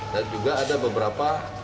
dan juga ada beberapa